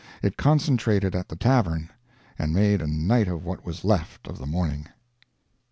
It concentrated at the tavern, and made a night of what was left of the morning.